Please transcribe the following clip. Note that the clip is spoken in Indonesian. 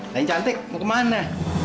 lain cantik mau kemana